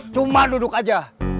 cuma duduk aja